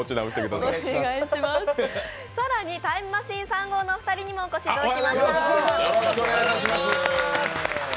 更にタイムマシーン３号のお二人にもお越しいただきました。